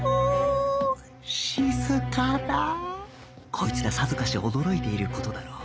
こいつらさぞかし驚いている事だろう